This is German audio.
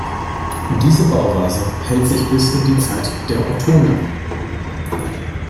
Diese Bauweise hält sich bis ins die Zeit der Ottonen.